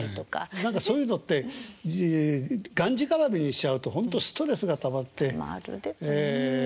何かそういうのってがんじがらめにしちゃうとほんとストレスがたまってええ。